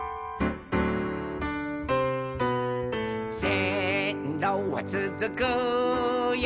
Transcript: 「せんろはつづくよ